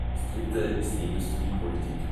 Das Dritte ist die Industriepolitik.